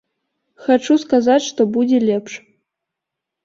Хачу сказаць, што будзе лепш.